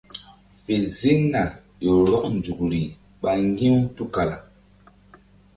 Fe ziŋna ƴo rɔk nzukri ɓa ŋgi̧ u tukala.